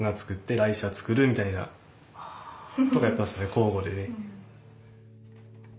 交互でね。